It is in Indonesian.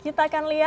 kita akan lihat